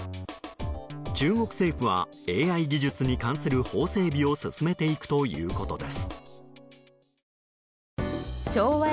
中国政府はＡＩ技術に関する法整備を進めていくということです。